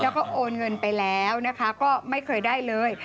แล้วก็โอนเงินไปแล้วนะคะก็ไม่เคยได้เลย